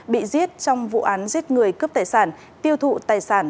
bị giết trong vụ án giết người cướp tài sản tiêu thụ tài sản